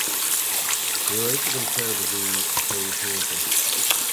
Ní raibh a fhios agam céard a bhí taobh thiar de.